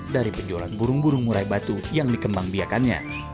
dari penjualan burung burung murai batu yang dikembang biakannya